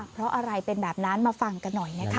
เพราะอะไรเป็นแบบนั้นมาฟังกันหน่อยนะคะ